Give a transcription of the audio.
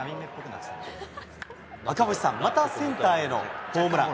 赤星さん、またセンターへのホームラン。